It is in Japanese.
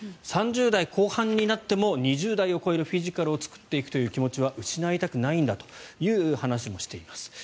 ３０代後半になっても２０代を超えるフィジカルを作っていくという気持ちは失いたくないんだという話もしています。